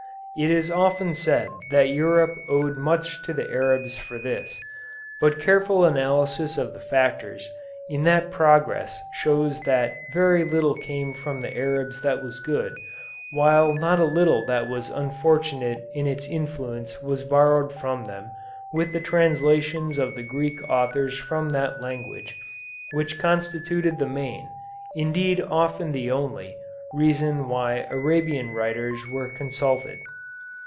It is often said that Europe owed much to the Arabs for this, but careful analysis of the factors in that progress shows that very little came from the Arabs that was good, while not a little that was unfortunate in its influence was borrowed from them with the translations of the Greek authors from that language, which constituted the main, indeed often the only, reason why Arabian writers were consulted.